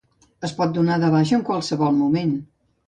Es pot donar de baixa en qualsevol moment.